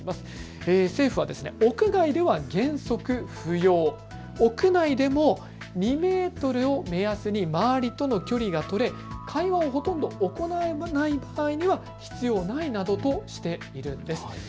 政府は屋外では原則不要、屋内でも２メートルを目安に周りとの距離が取れ、会話をほとんど行わない場合は必要ないなどとしているんです。